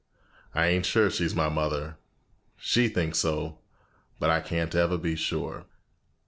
I ain't sure she's my mother. She thinks so; but I can't ever be sure."